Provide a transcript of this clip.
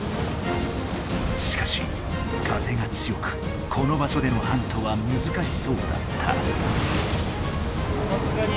しかし風が強くこの場しょでのハントはむずかしそうだった。